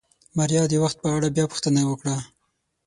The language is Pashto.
ماريا د وخت په اړه بيا پوښتنه وکړه.